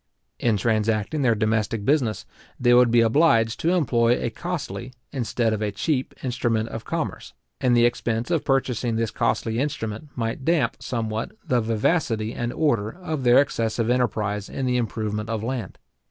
In transacting their domestic business, they would be obliged to employ a costly, instead of a cheap instrument of commerce; and the expense of purchasing this costly instrument might damp somewhat the vivacity and ardour of their excessive enterprise in the improvement of land.